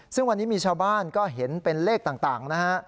ซึ่งวันนี้มีชาวบ้านก็เห็นเป็นเลขต่างนะฮะ